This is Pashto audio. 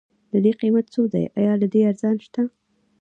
ددې قيمت څو دی؟ ايا له دې ارزان شته؟